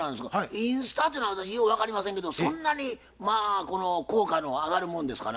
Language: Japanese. インスタっていうのは私よう分かりませんけどそんなにまあ効果の上がるもんですかな？